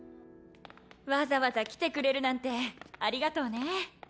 わざわざ来てくれるなんてありがとうね。